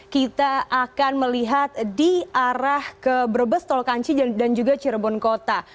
kita akan melihat di arah ke brebes tol kanci dan juga cirebon kota